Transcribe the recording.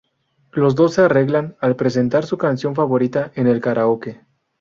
Los dos se arreglan al presentar su canción favorita en el karaoke.